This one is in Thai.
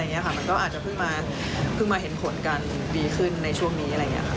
มันก็อาจจะเพิ่งมาเห็นผลกันดีขึ้นในช่วงนี้